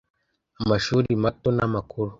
amashuri mato n’amakuru